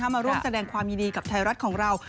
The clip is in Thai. มาร่วมแสดงความยินดีกับไทยรัฐของเรา